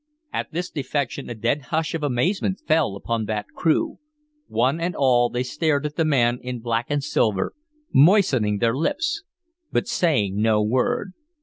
At this defection a dead hush of amazement fell upon that crew. One and all they stared at the man in black and silver, moistening their lips, but saying no word.